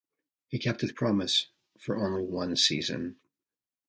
He kept his promise - for only one season.